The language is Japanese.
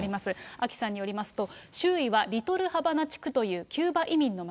アキさんによりますと、周囲はリトルハバナ地区というキューバ移民の街。